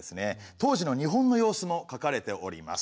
当時の日本の様子も書かれております。